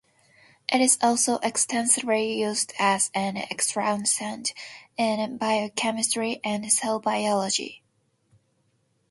It is also extensively used as an extractant in biochemistry and cell biology.